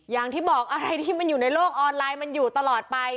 อย่างที่บอกอะไรที่มันอยู่ในโลกออนไลน์มันอยู่ตลอดไป